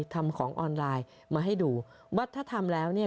ทำของออนไลน์มาให้ดูว่าถ้าทำแล้วเนี่ย